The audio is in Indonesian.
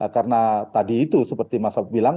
karena tadi itu seperti mas sabu bilang